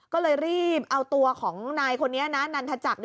ก็เลยรีบเอาตัวของนายคนนี้นะนันทจักร